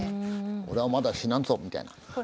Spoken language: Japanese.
「俺はまだ死なんぞ」みたいな。